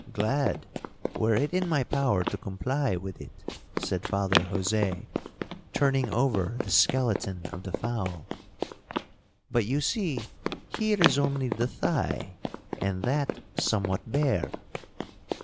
'—'Glad, were it in my power to comply with it,' said Father Jose, turning over the skeleton of the fowl; 'but you see here is only the thigh, and that somewhat bare.'